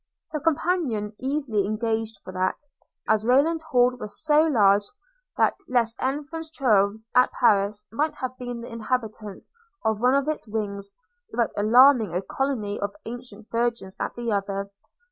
– Her companion easily engaged for that; as Rayland Hall was so large, that les enfans trouvés at Paris might have been the inhabitants of one of its wings, without alarming a colony of ancient virgins at the other.